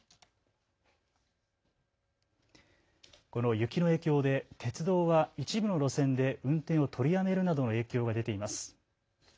この雪の影響で鉄道は一部の路線で運転を取りやめるなどの影響が出ています。